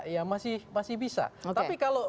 ya masih masih bisa tapi kalau